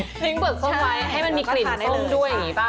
ทิ้งเบิกส้มไว้ให้มันมีกลิ่นต้มด้วยอย่างนี้ป่ะ